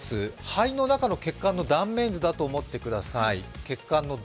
肺の中の血管の断面図だと思ってください。